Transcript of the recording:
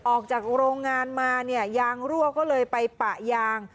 ออกจากโรงงานมาเนี่ยยางรั่วก็เลยไปปะยาง